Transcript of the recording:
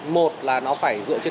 một là nó phải dựa trên